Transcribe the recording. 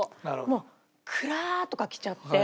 もうくらぁとかきちゃって。